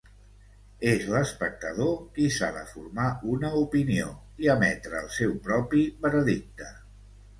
És l'espectador qui s'ha de formar una opinió i emetre el seu propi veredicte.